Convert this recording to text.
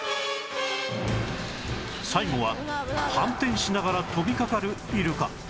最後は反転しながら飛びかかるイルカ